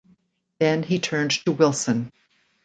Then he turned to Wilson.